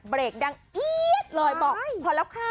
เบรกดังเอี๊ยดเลยบอก